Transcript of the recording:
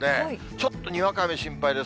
ちょっとにわか雨、心配です。